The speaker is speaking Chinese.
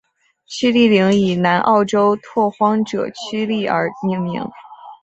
屈利岭以南澳州拓荒者屈利而命名。